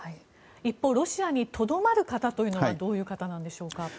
一方ロシアにとどまる方はどういう方なんでしょうか。